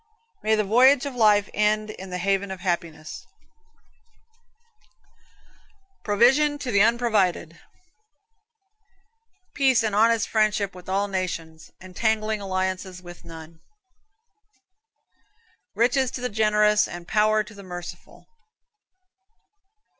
May the voyage of life end in the haven of happiness. Provision to the unprovided. Peace and honest friendship with all nations; entangling alliances with none. Riches to the generous, and power to the merciful.